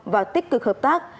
và tích cực hợp tác